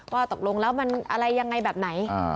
ว่าตกลงแล้วมันอะไรยังไงแบบไหน